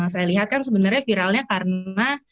saya lihat kan sebenarnya viralnya karena